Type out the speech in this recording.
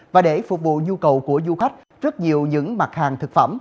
và để phục vụ nhu cầu của du khách rất nhiều những mặt hàng thực phẩm